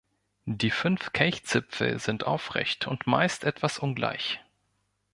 Die fünf Kelchzipfel sind aufrecht und meist etwas ungleich.